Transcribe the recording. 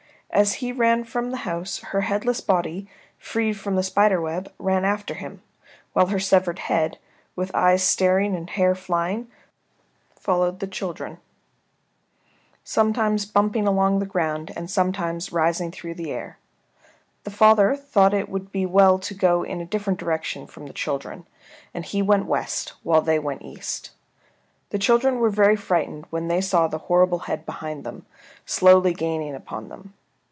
As he ran from the house her headless body, freed from the spider web, ran after him, while her severed head, with eyes staring and hair flying, followed the children, sometimes bumping along the ground and sometimes rising through the air. The father thought it would be well to go in a different direction from the children, and he went west, while they went east. The children were very frightened when they saw the horrible head behind them, slowly gaining upon them.